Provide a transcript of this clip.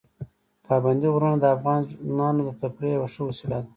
پابندي غرونه د افغانانو د تفریح یوه ښه وسیله ده.